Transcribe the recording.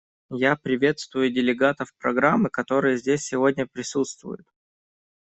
Я приветствую делегатов программы, которые здесь сегодня присутствуют.